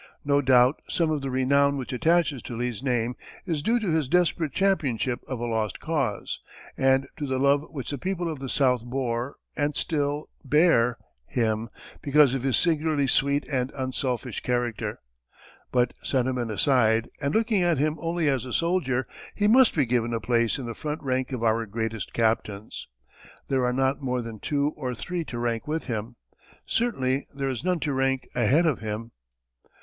No doubt some of the renown which attaches to Lee's name is due to his desperate championship of a lost cause, and to the love which the people of the South bore, and still bear, him because of his singularly sweet and unselfish character. But, sentiment aside, and looking at him only as a soldier, he must be given a place in the front rank of our greatest captains. There are not more than two or three to rank with him certainly there is none to rank ahead of him.